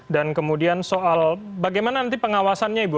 dan kemudian soal bagaimana nanti pengawasannya ibu